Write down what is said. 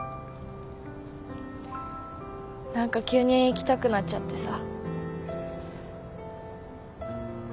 何か急に来たくなっちゃってさ。